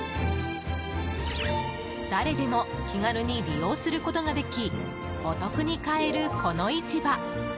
誰でも気軽に利用することができお得に買える、この市場。